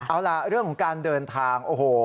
เอาล่ะเรื่องของการเดินทางโอ้โห